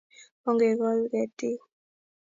Ongekol ketik